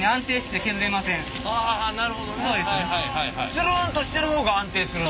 ツルンとしてる方が安定するの？